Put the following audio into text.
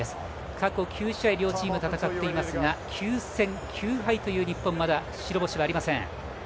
過去９試合、両チーム戦っていますが９戦９敗という日本、まだ白星はありません。